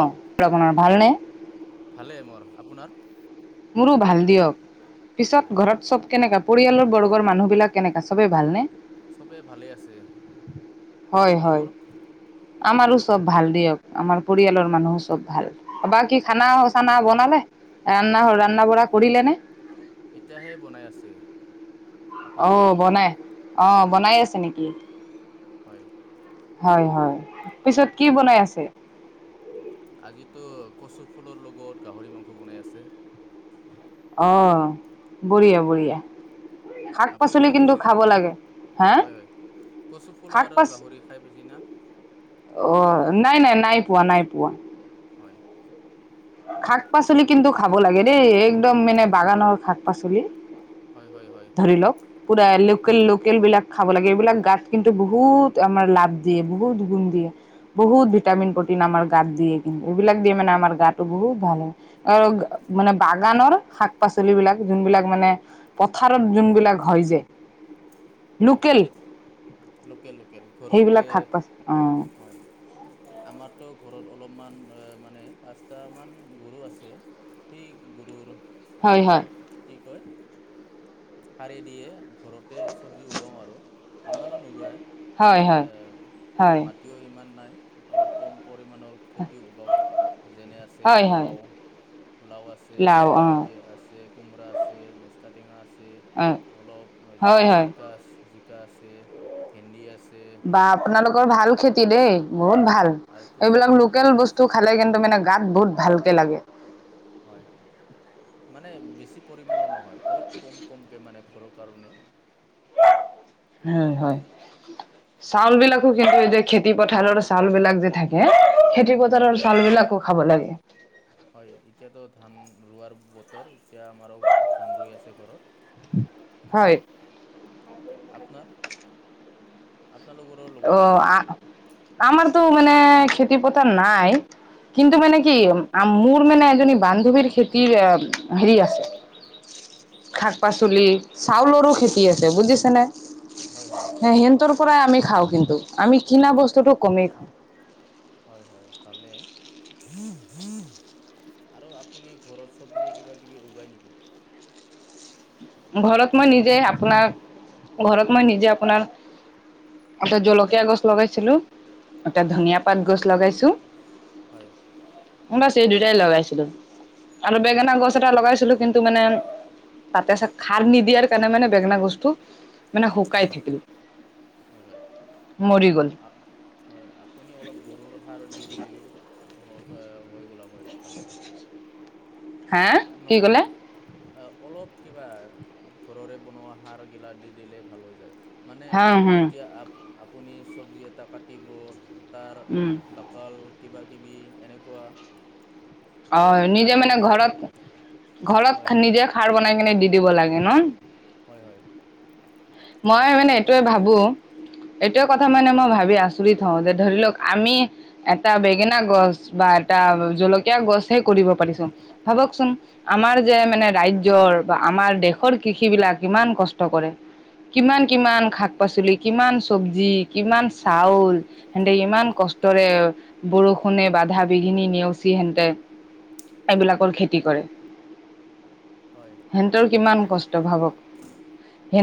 অ আপোনাৰ ভালনে? ভালে মোৰ। আপোনাৰ? মোৰো ভাল দিয়ক হয় পিছত ঘৰত চব কেনেকা? পৰিয়ালৰ বৰ্গৰ মানুহ বিলাক কেনেকা সবে ভালনে? চবেই ভালে আছে। হয় হয় আপোনালোকৰ আমাৰো চব ভাল দিয়ক। আমাৰ পৰিয়ালৰ মানুহো চব ভাল। বা কি খানা হয় চানা বনালে? ৰানা খান ৰান্ধা বঢ়া কৰিলে নে? এতিয়াহে বনাই আছে অ আপোনালোকৰ বনাই, অ বনাই আছে নেকি? হয়। হয় হয়। পিছত কি বনাই আছে? আজিতো কচু ফুলৰ লগত গাহৰি মাংস বনাই আছে। অ বঢ়িয়া বঢ়িয়া। শাক আপুনি পাচলি খাই কিন্তু পাইছেনে খাব লাগে। হে হয় হয় কচু ফুল আৰু গাহৰি খাই পাইছে না? অ নাই নাই নাই পোৱা নাই পোৱা। হয়। শাক পাচলি কিন্তু খাব লাগে দেই একদম মানে বাগানৰ শাক পাচলি। হয় হয় হয় ধৰি লওক পুৰা লোকেল হয় লোকেল বিলাক। খাব লাগে। এইবিলাক গাত কিন্তু বহুত আমাৰ লাভ দিয়ে, বহুত গুণ দিয়ে। বহুত হয় ভিটামিন প্ৰটিন আমাৰ গাত দিয়ে কিন্তু। এইবিলাক দিয়ে মানে আমাৰ গাত। বহুত ভাল হয় আৰু মানে বাগানৰ শাক পাচলী বিলাক যোনবিলাক মানে। ভাৰত যোনবিলাক হয় যে। হয় লোকেল লোকেল লোকেল ঘৰতে সেইবিলাক শাক পাচলি অ হয়। আমাৰতো ঘৰত অলপমান মানে পাঁচটামান গৰু আছে। সেই গৰুৰ। হয় হয় আহ কি কয় স়ি দিয়ে ঘৰত। চব্জি উগাওঁ আৰু ইমানো নুগায় মানে হয় হয় হয় মাটিও ইমান নাই। অলপ কম পৰিমণৰ খেতি কৰুও। যেনে আছে হয় হয় লাও লাও আছে লাও অ এতিয়া আছে। কোমৰা আছে মেষ্টা টেঙা আছে অলপ হয় হয় জিকা আ। জিকা আছে ভেন্দি আছে। বা আপোনালোকৰ ভাল খেতি দেই। বহুত ভাল আৰু কচু এইবিলাক আছে লোকেল মানে বস্তু খালে কিন্তু মানে গাত বহুত ভালকে লাগে। বেছি পৰিৰ ন অল ম। ঘৰৰ কাৰণে। হয় হয়। চাউল বিলাকো কিন্তু এই যে খেতি পথাৰৰ চাউল বিলাক যে থাকে। খেতি হয় কথাৰৰ হয় চাল বিলাকো খাব লাগে। হয় এতিয়াতো ধান ৰোৱাৰ বতৰ। এতিয়া আমাৰ ধান ৰই আছে হয় ঘৰত আপোনাৰ। আপোনালোকৰো অ লগাই নেকি ধান আমাৰতো মানে খেতিপথাৰ নাই। কিন্তু হয় মানে কি। মোৰ মানে এজনী বান্ধৱীৰ খেতিৰ হেৰি আছে। শাক পাচলি চাউলৰো খেতি আছে বুজিছেনে। হয় হয় হ সিতৰ পৰাই আমি খাওঁ কিন্তু আমি কিনাা বস্তুটো কমেই খাওঁ। হয় হয় ভালে। আৰু আপুনি ঘৰত চব্জি কিবা কিবি উগায় নেকি। শাক ঘৰত মই পাচলি নিজে আপোনাক। ঘৰত মই নিজে আপোনাৰ এতে জলকীয়া গছ লগাইছিলো। এ তটা হয় ধনিয়া পাত গছ লগাইছোঁ। হয়। বাছ এই দুইটাই লগাইছিলো আৰু বেঙেনা হয় গছ এটা লগাইছিলো কিন্তু। মানে তাতে আছে খাৰ নিদিয়াৰ কাৰণে মানে বেঙেনা বস্তু। শুকাই থাকিলো। হয় হয়। অ হয় আপুনি অলপ গৰুৰ সাৰ দি দি দিলি। হ'ল হৈ গলাব। [unintelligible] কি নহ ক'লে অলপ। কিবা ঘৰৰে বনোৱা সাৰ গিলা দি দিলে ভাল হৈ যায়। মানে হা হুম যেতিয়া আ আপুনি চব্জি এটা কাটিব। তাৰ উম বাকাল কিবা কিবি এনেকুৱা। অ নিজে তাতে মানে ফেল ঘৰত। হয় ঘৰত হয় নিজে খাৰ বনাই কিনে দি দিব লাগে ন। হয় হয় মই আমিতো মানে এনেকুৱাই এইটোৱে দি দিওঁ ভাবো এইটোোৱ কথা মানে মই ভাবি আচৰি থওঁ যে ধৰি লওক আমি এটা বেঙেনা গছ বা এটা কা জলকীয়া গছে কৰিব পাৰিছো ভাৱক চোন আমাৰ যে মানে ৰাজ্যৰ বা আম আমাৰ দেশৰ কৃষি বিলাক ইমান কষ্ট কৰে। কিমান কিমান শাক পাচলি কিমান চবজি কিমান চাউল সেহতে ইমান ক কষ্টৰে বৰষুণে বাধা বিঘিনি নেওচি হেতে এইবিলাকৰ খেতি কৰে হয় সিহতৰ কিমান কষ্ট ভাবক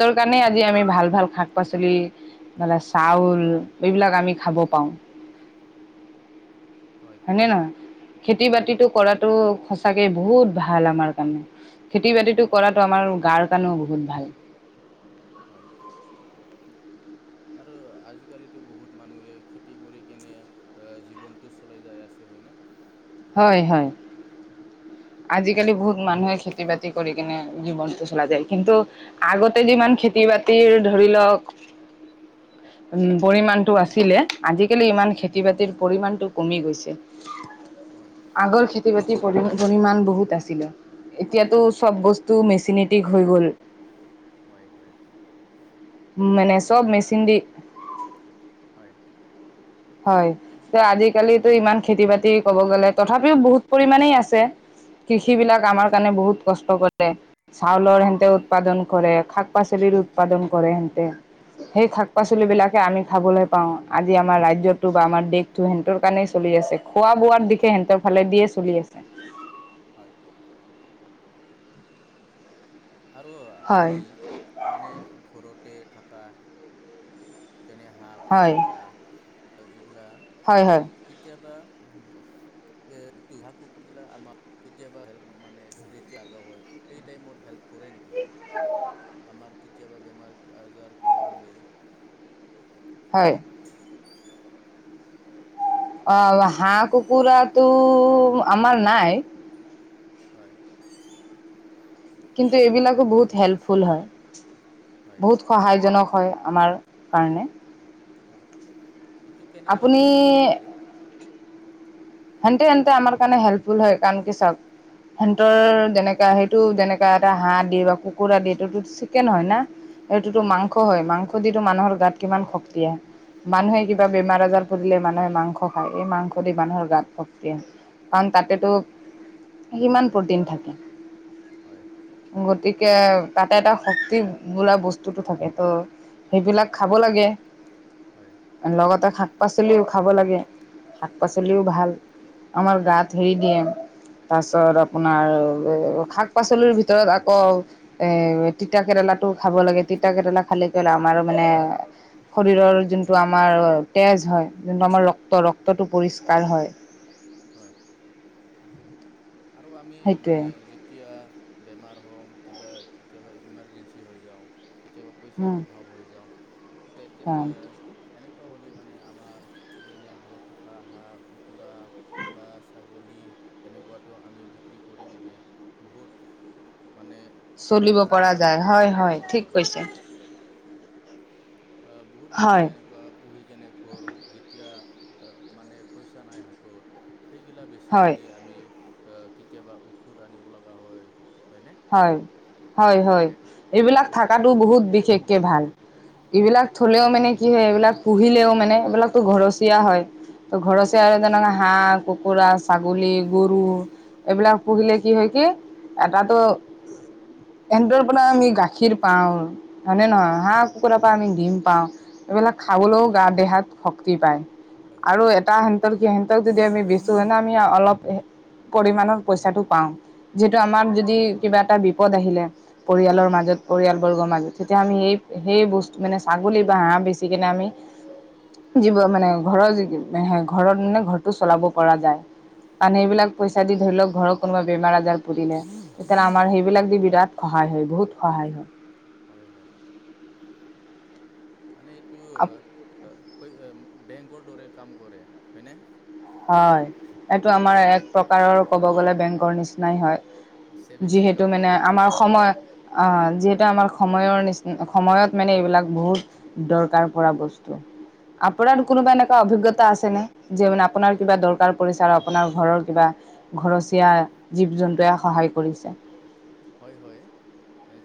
কাৰণে আজি আমি ভাল ভাল শাক পাচলি নহলে চাউল এইবিলাক আমি খাব পাৰো। হয় নে নহয় খেতি হয় হয় বাতিটো কৰাটো চাগে বহুত ভাল আমাৰ কাৰণে খেতি বাতিটো হয় কৰাটো আমাৰ গাৰ কাৰণেও বহুত ভাল হয় আৰু আজিকালিতো বহুত মানুহে খেতি কৰি কেনে এ জীৱনটো চলাই যাই আছে হয়নে। হয় হয় আজিকালি বহুত মানুহে খেতি বাতি কৰি কিনে জীৱনটো চলা যায় কিন্তু আগতে যিমান খেতি খ বাতিৰ ধৰি লওক উ পৰিমণটো আছিলে আজিকালি ইমান হয় খেতি বাতিৰ পৰিমণ টো কমি গৈছে হয় আগৰ খেতি বাতি পৰিমাণ বহুত আছিলো এতিয়াতো হয় চব বস্তু মেচিনত ষ্ট্ৰিক হৈ গ'ল হয় হয় উ মানে সেইকাৰণে চব মেচিন দি হয় হয় আজিকালিতো ইমান খেতি বাতি কব গ'লে তথাপিও বহুত পৰিমমানে আছে। কৃষ বিলাক আমাৰ কাৰণে বহুত কষ্ট কৰে চাউলৰ সেহতে উৎপাদন কৰে শাক পাচলি উৎপাদন কৰে সেই শাক পাচল হয় বিলাকে আমি খাবলৈ পাওঁ আজি আমাৰ ৰাজ্যত বা আমাৰ দেশতটো সিহঁতৰ কাৰণেই চলি আছে খোৱা বোৱাৰ দিশে সিহতৰ ফালে দিয়ে চলি আছে। হয় আৰু হয় আমি মানে ঘৰতে থকা তেনে হাঁহ হয় কুকুৰা বা কেতিয়াবা উ এ হাঁহ, কুকুৰ গিলাক আমাক কেতিয়াবাপ মানে দ আগ হয় সেই টাইমত হেল্প কৰে নেকি আমাৰ কেতিয়াবা বেমাৰ আজাৰ কিবা হলে হয়। অ হাঁহ কুকুৰাটো আমাৰ নাই হয় কিন্তু এইবিলাকো বহুত হেল্পফুল হয় হয় বহুত সহায়জনক হয় আমাৰ কাৰণে হয় এইটো কেনেকুৱা আপুনি হেল্পফুল হৈ যায় হেনেতে হেনেতে আমাৰ কাৰণে হেল্পফুল হয় কাৰণ কি চব সিহতৰ যেনেকা সেইটো যেনেকা এটা হাঁহ দি বা কুকুৰা দি এইটোতো চিকেন হয় না এইটোতো মাংস হয় মাংস দি মানুহৰ গাত কিমান শক্তি মানুহে হয় কিবা বেমাৰ আজাৰ হগিলে মানুহে মাংস খাও এই মাংস দি মানুৰ গাত শক্তি আহে কাৰণ তাতেতো হয় সিমান প্ৰতিন থাকে হয় গতিকে তাতে এটা শক্তি বোলা বস্তুটো থাকে ত' সেইবিলাক খাব লাগে হয় লগতে শাক পাচলিও খাব লাগে শাক হয় পাচলিও ভাল। আমাৰ গাত হেৰি দিয়ে তাৰপিছত হয় আপোনাৰ শাক পাচলিৰ ভিতৰত আকৌ এ তিতা কেৰেলাটো খাব লাগে তিতা কেৰেলা খালে কল আমাৰো মানে শৰীৰৰ যোনটো আমাৰ তেজ হয় যোনটো আমাৰ ৰক্ত ৰক্তটো পৰিষ্কাৰ হয় হয় আৰু আমি সেইটোৱে মানে যেতিয়া বেমাৰ হওঁ কিবা কেতিয়াবা ইমাৰজেঞ্চি হৈ যাওঁ কেতিয়াবা উম পইচাৰ অভাৱ হৈ যাওঁ তেতিয়া হয় এনেকুৱা হ'লে মানে আমাৰ যেনে ঘৰত থকা হাঁহ কুকুৰা বা ছাগলী এনেকুৱাটো আমি বিক্ৰী কৰি কেনে বহুত মানে চলিব পৰা হেল্পফুল হৈ যায় যাওঁ আৰু হয় হয় ঠিক কৈছে আ বহুত হয় মানুহে এনেকুৱা পুহি কেনে ঘৰ যেতিয়া আ মানে পইচা নাই হাতত সেইগিলা বেচি হয় কিনি আমি কেতিয়াবা ঔষধ আনিব লগা হয় হয়নে হয় হয় হয় বে এইবিলাক মেডিকেলত যাব থাকাতটো লগা হয় বহুত বিশেষকে ভাল হয় এইবিলাক থলেও মানে কি হয় এইবিলাক পুহিলেও মানে এইবিলাকতো ঘৰচীয়া হয় ত ঘৰচীয়া হয় হে কাৰণে হাঁহ কুকুৰা ছাগলী গৰু এইবিলাক পুহিলে কি হয় কি এটাতো [inaudible] এহেতৰ পৰা আমি গাখীৰ পাওঁ হয় নে নহয় হাঁহ কুকুৰাৰ পৰা আমি ডিম পাওঁ খাবলৈও গাত দেহাত শক্তি পায় হয় হয় আৰু এটা সিহঁতক স সেহতক যদি আমি বিচো হয় নে আমি অলপ [unintelligible] পৰিমাণৰ পইচাটো পাওঁ যিহেতু আমাৰ যদি হয় কিবা এটা বিপদ আহিলে পৰিয়ালৰ মাজত পৰিয়াল বৰ্গৰ মাজত তেতিয়া আমি সেই সেই বস্তু মানে ছাগলী বা হাঁহ বেচি কেনে আমি জীৱ মানে ঘৰৰ ঘৰত মানে ঘৰটো চলাব পৰা যায় পান হয় সেইবিলাক পইচা দি ধৰি লওঁক ঘৰৰত কোনোবা বেমাৰ আজাৰ পৰিলে [unintelligible] আমাৰ সেইবিলাক দি বিৰাট সহায় হয় বহুত সহায় হয় [inaudible] মানে এইটো বেংকৰ দৰে কাম কৰে হয়নে হয় এইটো আমাৰ এক যেতি প্ৰকাৰৰ ক'ব গ'লে বেংকৰ নিচিনাই হয় ছেভিংছ যিহেতু একাউণ্ট মানে খুলি থোৱাৰ আমাৰ নিচিনা সময় আ হয় যিহেতু আমাৰ সময়ৰ নিচিনা উ সময়ত মানে এইবিলাক বহুত দৰকাৰ পৰা বস্তু আপোনাৰ হয় কোনোবা এনেকুৱা অভিজ্ঞতা আছে নে যে মানে আপোনাৰ কিবা দৰকাৰ পৰিছে আৰু আপোনাৰ ঘৰৰ কিবা ঘৰচীয়া জীৱ জন্তুৱে সহায় কৰিছে [inaudible] হয় হয়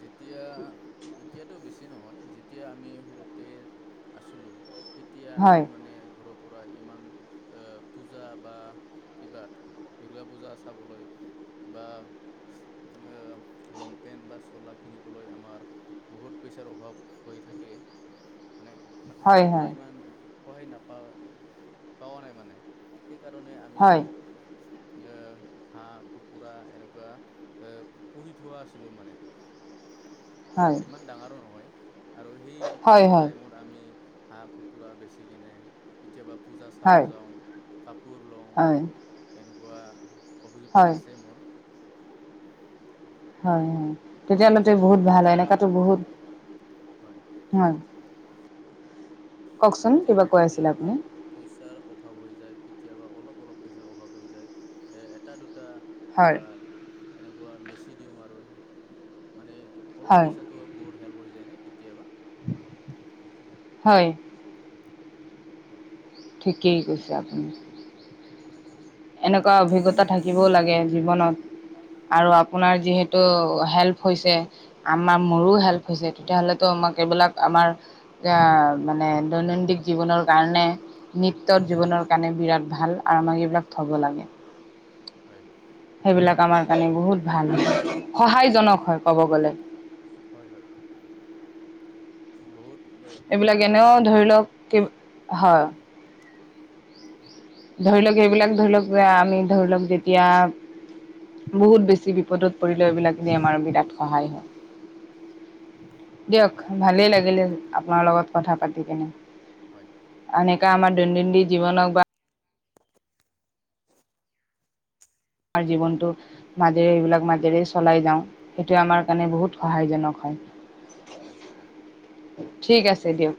যেতিয়া এতিয়াটো বেছি নহয় যেতিয়া আমি সৰুতে আছিলোঁ তেতিয়া হয়, আমি মানে ঘৰ পৰা ইমান এ পূজা বা কিবাত দূৰ্গা পূজা চাবলৈ বা আ [unintelligible] লং পেন্ট বা চোলা কিনিবলৈ আমাৰ বহুত পইচাৰ অভাৱ হৈ থাকে [unintelligible] [inaudible] মানে হয়, ঘৰৰ পৰা হয়, ইমান সহায় নাপা পোৱা নাই মানে [unintelligible] সেইকাৰণে আমি হয়, এ হাঁহ কুকুৰা এনেকুৱা এ পুহি [unintelligible] থোৱা আছিলোঁ মানে হয়, ইমান ডাঙৰো নহয় আৰু সেই হয়, হয়, পূজা হয়, টাইমত আমি হাঁহ কুকুৰা বেচি কেনে কেতিয়াবা পূজা চাব হয়, যাওঁ হয় লগোৱা অভিজ্ঞতা হয়, আছে মোৰ হয় হয় হয় তেতিয়'লেতো এতিয়াও বহুত ভাল হয় কেতিয়াবা এনেকাতো বহুত হয় হয় [unintelligible] কওকচোন এতিয়াও কিবা কৈ যেতিয়া আছিলে আপুনি? আমাক পইচাৰ অভাৱ হৈ যায় কেতিয়াবা অলপ অলপ পইছাৰ অভাৱ হৈ যায় এ এটা দুটা বা হয়, এনেকোৱা বেছি দিওঁ আৰু মানে অলপ হয়, পইচাটো বহুত হেল্প হৈ যায় কেতিয়াবা হয় হয় ঠিকেই কৈছে আপুনি হয় এনেকোৱা অভিজ্ঞতা থাকিবও লাগে জীৱনত আৰু আপোনাৰ যিহেতু হেল্প হৈছে আমাৰ মোৰো হেল্প হৈছে তেতিয়া হলেতো আমাক এ সিবিলাক আমাৰ এতিয়া মানে দৈনন্দিন জীৱনৰ কাৰণে নৃত্যৰ জীৱনৰ কাৰণে বিৰাট ভাল আৰু আমাক এইবিলাক থ'ব লাগে হয় সেইবিলাক আমাৰ কাৰণে বহুত ভাল হয় সহায়জনক হয় ক'ব গলে হয় হয় বহুত সহায় এইবিলাক কৰে এনেও ধৰি লওক হয় ধৰি লওক এইবিলাক ধৰি লওক আমি ধৰি লওক যেতিয়া বহুত বেছি বিপদত পৰিলে এইবিলা যে আমাৰ বিৰাট সহায় হয় দিয়ক হয় ভালেই লাগিলে আপোনাৰ লগত কথা পাতি কেনে হয় এনেকোৱা আমাৰ দৈনন্দিনন্দিন জীৱনক বা আমাৰ জীৱনটো মাজেৰে এইবিলাক মাজেৰে চলাই যাওঁ সেইটোৱে আমাৰ কাৰণে বহুত সহায়জনক হয় হয় হয় হয় ঠিক আছে দিয়ক